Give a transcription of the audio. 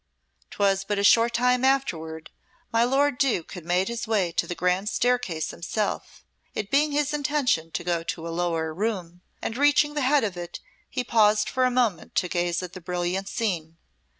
'Twas but a short time afterward my lord Duke had made his way to the grand staircase himself, it being his intention to go to a lower room, and reaching the head of it he paused for a moment to gaze at the brilliant scene.